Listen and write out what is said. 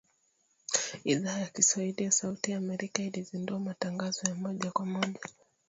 Idhaa ya Kiswahili ya Sauti ya Amerika ilizindua matangazo ya moja kwa moja